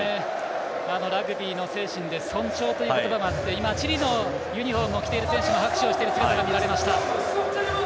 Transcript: ラグビーの精神で尊重という言葉もあってチリのユニフォームを着ている選手が拍手をしている姿も見られました。